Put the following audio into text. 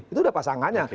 itu udah pasangannya